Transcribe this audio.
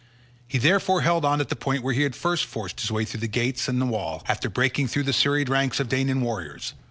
He therefore held on at the point where he had first forced his way through the gates and the wall, after breaking through the serried ranks of Danaan warriors.